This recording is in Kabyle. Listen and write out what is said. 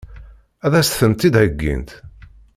Ad as-tent-id-heggint?